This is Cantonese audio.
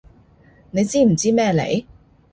你知唔知咩嚟？